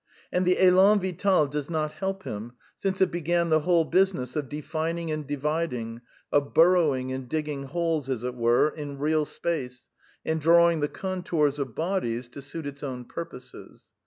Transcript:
And the ^lan Vital does not help him, since it began the whole business of defining and dividing, of burrowing and digging holes, as it were, in real space and drawing the contours of bodies to suit its own purposes.